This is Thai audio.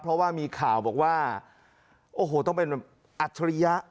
เพราะว่ามีข่าวบอกว่าโอ้โหต้องเป็นอัจฉริยะ